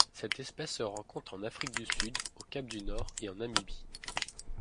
Cette espèce se rencontre en Afrique du Sud au Cap-du-Nord et en Namibie.